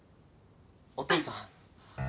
お父さん。